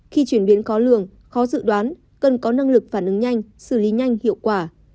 khi chuyển biến khó lường khó dự đoán cần có năng lực phản ứng nhanh xử lý nhanh hiệu quả